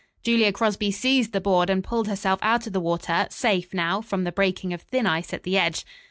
Julia Crosby seized the board and pulled herself out of the water, safe, now, from the breaking of thin ice at the edge.